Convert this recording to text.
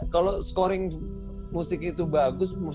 kalau scoring musik itu bagus